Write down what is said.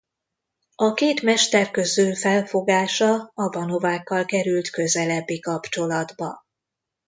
A két mester közül felfogása Aba-Novákkal került közelebbi kapcsolatba.